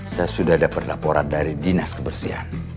saya sudah dapat laporan dari dinas kebersihan